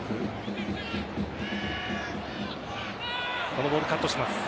このボール、カットします。